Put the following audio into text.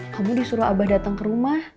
kamu disuruh abah datang ke rumah